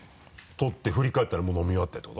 取って振り返ったらもう飲み終わってるってこと？